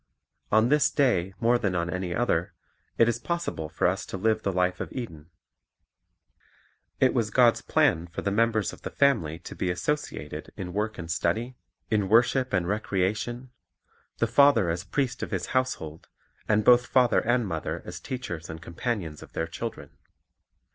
On this day more than on any other, it is possible for us to live the life of Eden. It was God's plan for the members of the family to be associated in (250) 'Ex. 31 : 13; 20:11. The Sabbath 251 work and study, in worship and recreation, the father as priest of his household, and both father and mother as teachers and companions of their children.